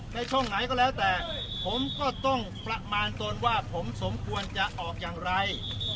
ช่องไหนก็แล้วแต่ผมก็ต้องประมาณตนว่าผมสมควรจะออกอย่างไร